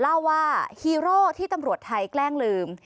เล่าว่าฮีโร่ที่ตำรวจไทยแกล้งลืม